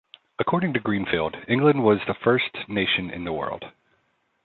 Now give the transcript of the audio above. According to Greenfeld, England was "the first nation in the world".